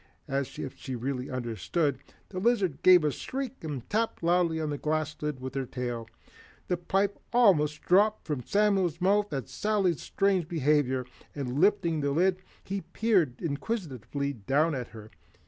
As if she really understood, the lizard gave a squeak and tapped loudly on the glass lid with her tail. The pipe almost dropped from Samuel's mouth at Sally's strange behavior, and lifting the lid he peered inquisitively down at her.